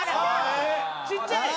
ちっちゃい！